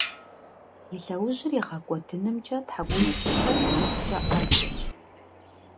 И лъэужьыр игъэкIуэдынымкIэ тхьэкIумэкIыхьыр икъукIэ Iэзэщ.